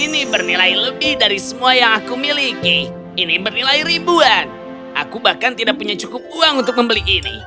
ini bernilai lebih dari semua yang aku miliki ini bernilai ribuan aku bahkan tidak punya cukup uang untuk membeli ini